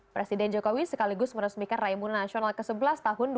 presiden jokowi sekaligus meresmikan raimunah nasional ke sebelas tahun dua ribu tujuh belas